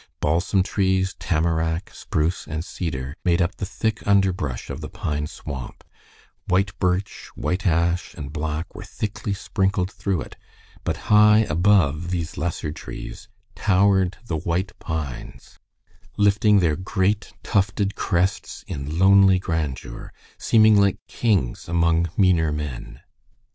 Balsam trees, tamarack, spruce, and cedar made up the thick underbrush of the pine swamp, white birch, white ash, and black were thickly sprinkled through it, but high above these lesser trees towered the white pines, lifting their great, tufted crests in lonely grandeur, seeming like kings among meaner men.